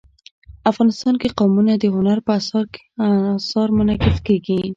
افغانستان کې قومونه د هنر په اثار کې منعکس کېږي.